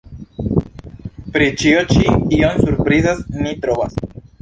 Pri ĉio ĉi ion surprizan ni trovas.